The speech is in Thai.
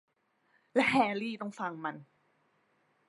และแฮรี่ต้องฟังมัน